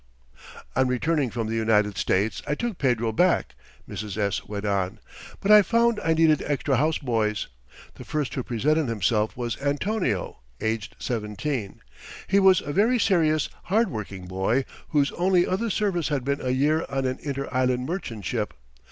"On returning from the United States I took Pedro back," Mrs. S. went on, "but I found I needed extra house boys. The first who presented himself was Antonio, aged seventeen. He was a very serious, hard working boy, whose only other service had been a year on an inter island merchant ship.